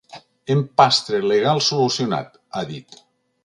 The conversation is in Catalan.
“Empastre legal solucionat”, ha dit.